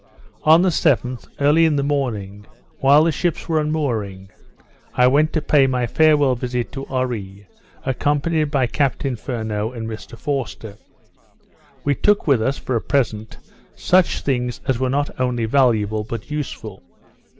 On the 7th, early in the morning, while the ships were unmooring, I went to pay my farewell visit to Oree, accompanied by Captain Furneaux and Mr Forster. We took with us for a present, such things as were not only valuable, but useful.